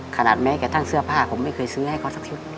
แม้กระทั่งเสื้อผ้าผมไม่เคยซื้อให้เขาสักชุด